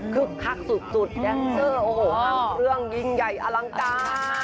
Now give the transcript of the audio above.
คึกคักสุดและเสื้อโอ้โหทั้งเครื่องยิ่งใหญ่อลังการ